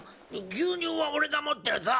牛乳は俺が持ってるぞ。